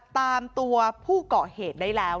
ตามตัวผู้เกาะเหตุได้แล้ว